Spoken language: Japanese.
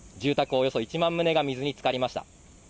およそ１万棟が水につかりました。